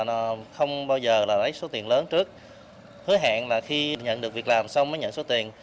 các tượng thường không bao giờ lấy số tiền lớn trước hứa hẹn là khi nhận được việc làm xong mới nhận số tiền